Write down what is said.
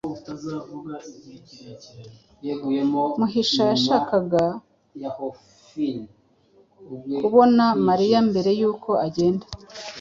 Muhisha yashakaga kubona Mariya mbere yuko agenda.